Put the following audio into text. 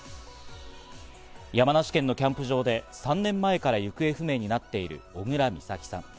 山梨県のキャンプ場で３年前から行方不明になっている小倉美咲さん。